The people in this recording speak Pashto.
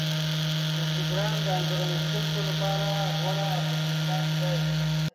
انسټاګرام د انځور ایستونکو لپاره غوره اپلیکیشن دی.